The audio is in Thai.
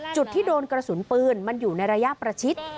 จุดที่โดนกระสุนปืนมันอยู่ในระยะประชิด